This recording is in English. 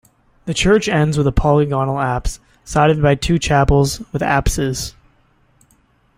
The church ends with a polygonal apse, sided by two chapels with apses.